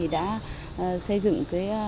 đã xây dựng